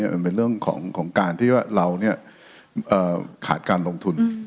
มันเป็นเรื่องของการที่ว่าเราขาดการลงทุน